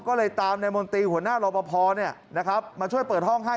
ก็เลยตามในมนตรีหัวหน้ารอปภมาช่วยเปิดห้องให้